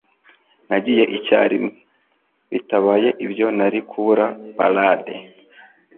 Nagiye icyarimwe, bitabaye ibyo nari kubura parade.